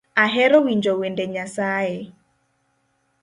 Ahero winjo wende nyasae